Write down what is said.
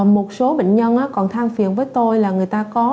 một số bệnh nhân còn thang phiền với tôi là người ta có